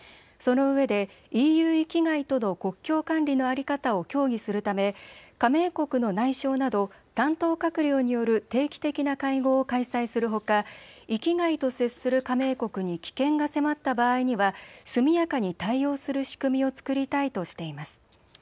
そのうえでＥＵ域外との国境管理の在り方を協議するため加盟国の内相など担当閣僚による定期的な会合を開催するほか域外と接する加盟国に危険が迫った場合には速やかに対応する仕組みを作りたいとしています。